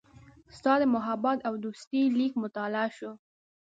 ستا د محبت او دوستۍ لیک مطالعه شو.